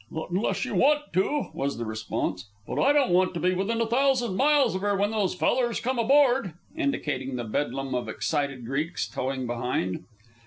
"Not unless you want to," was the response. "But I don't want to be within a thousand miles of her when those fellers come aboard" indicating the bedlam of excited Greeks towing behind.